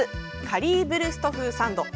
カリーヴルスト風サンド。